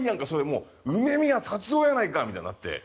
もう梅宮辰夫やないかみたいになって。